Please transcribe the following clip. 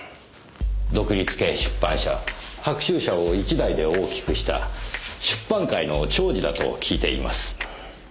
独立系出版社白秋社を一代で大きくした出版界の寵児だと聞いています。